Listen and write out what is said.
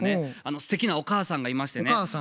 すてきなお母さんがいましてね。